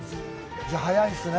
早いですね。